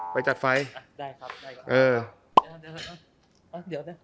ไปจัดไฟ